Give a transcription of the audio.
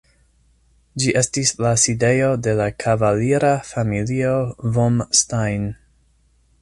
Ĝi estis la sidejo de la kavalira familio vom Stein.